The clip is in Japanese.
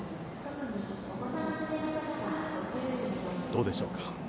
どうでしょうか。